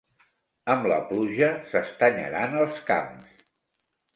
Amb la pluja s'estanyaran els camps.